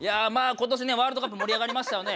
今年ねワールドカップ盛り上がりましたよね。